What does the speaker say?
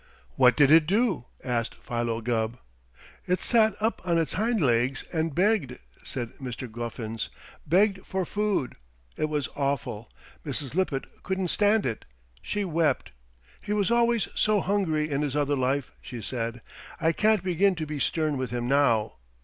"What did it do?" asked Philo Gubb. "It sat up on its hind legs and begged," said Mr. Guffins, "begged for food. It was awful! Mrs. Lippett couldn't stand it. She wept. 'He was always so hungry in his other life,' she said. 'I can't begin to be stern with him now.